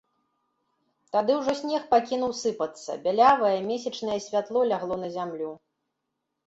Тады ўжо снег пакінуў сыпацца, бялявае месячнае святло лягло на зямлю.